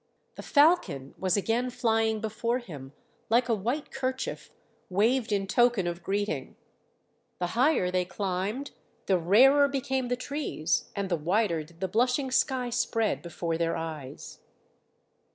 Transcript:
The falcon was again flying before him like a white kerchief waved in token of greeting; ... the higher they climbed the rarer became the trees and the wider did the blushing sky spread before their eyes.